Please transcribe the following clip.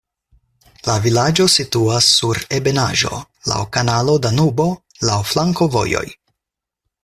La vilaĝo situas sur ebenaĵo, laŭ kanalo Danubo, laŭ flankovojoj.